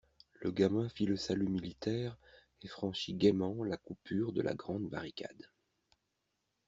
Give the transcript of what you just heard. Le gamin fit le salut militaire et franchit gaîment la coupure de la grande barricade.